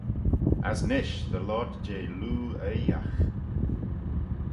As nish dy loayrt jeh loo-oaiagh.